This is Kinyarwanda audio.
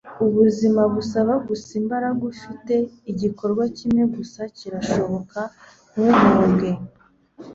ubuzima busaba gusa imbaraga ufite. igikorwa kimwe gusa kirashoboka; ntuhunge